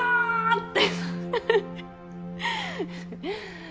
って。